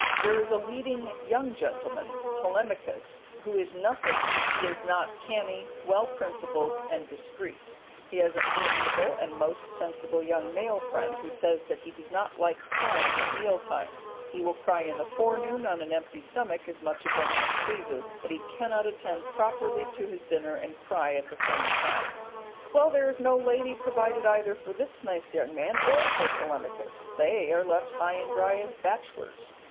There is a leading young gentleman, Telemachus, who is nothing if he is not [Greek], or canny, well principled, and discreet; he has an amiable and most sensible young male friend who says that he does not like crying at meal times he will cry in the forenoon on an empty stomach as much as anyone pleases, but he cannot attend properly to his dinner and cry at the same time. Well, there is no lady provided either for this nice young man or for Telemachus. They are left high and dry as bachelors.